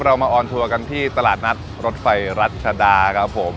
เรามาออนทัวร์กันที่ตลาดนัดรถไฟรัชดาครับผม